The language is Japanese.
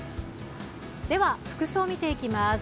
服装を見ていきます。